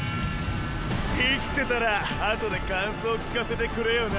生きてたらあとで感想聞かせてくれよな。